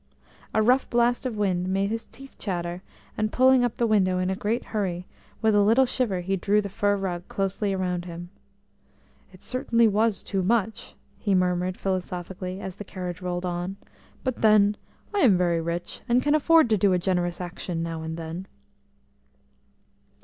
A rough blast of wind made his teeth chatter, and pulling up the window in a great hurry, with a little shiver he drew the fur rug closely round him. "It certainly was too much," he murmured philosophically, as the carriage rolled on, "but then I am very rich, and can afford to do a generous action now and then."